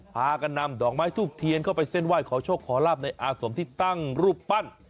พากันนำดอกไม้ทูบเทียนเข้าไปเส้นไหว้ขอโชคขอลาบในอาสมที่ตั้งรูปปั้น